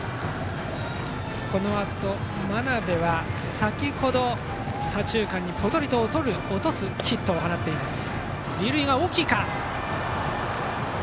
このあと真鍋は先程、左中間にぽとりと落とすヒットを放ちました。